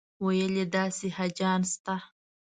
ویل یې داسې حاجیان شته.